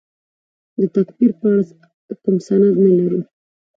د تکفیر په اړه کوم سند نه لرو.